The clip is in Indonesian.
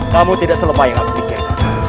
kamu tidak selemaikan aku pikirkan